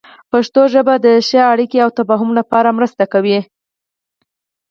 پښتو ژبه د ښې اړیکې او تفاهم لپاره مرسته کوي.